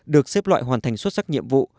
được xếp loại hoàn thành xuất sắc nhiệm vụ